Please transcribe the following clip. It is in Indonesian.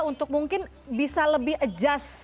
untuk mungkin bisa lebih adjust